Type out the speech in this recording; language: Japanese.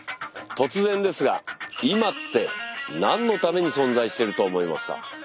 突然ですが「今」って何のために存在してると思いますか？